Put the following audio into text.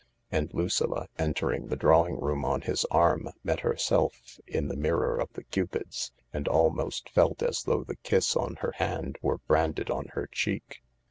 And Lucilla, entering the drawing room on his arm, met herself in the mirror of the cupids, and almost felt as though the kiss on her hand were branded on her cheek.